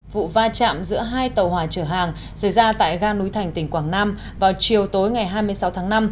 vụ va chạm giữa hai tàu hòa chở hàng xảy ra tại ga núi thành tỉnh quảng nam vào chiều tối ngày hai mươi sáu tháng năm